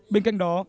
bên cạnh đó